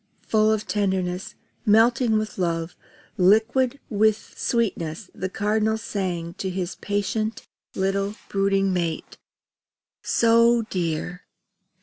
Full of tenderness, melting with love, liquid with sweetness, the Cardinal sang to his patient little brooding mate: "So dear!